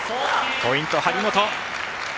ポイント、張本。